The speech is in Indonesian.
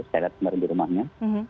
saya lihat kemarin di rumahnya